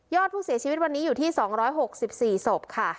อดผู้เสียชีวิตวันนี้อยู่ที่๒๖๔ศพค่ะ